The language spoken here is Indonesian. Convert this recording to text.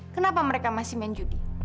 kenapa mereka masih main judi